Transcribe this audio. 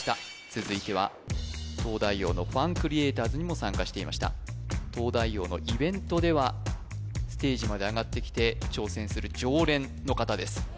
続いては東大王のファンクリエイターズにも参加していました東大王のイベントではステージまで上がってきて挑戦する常連の方です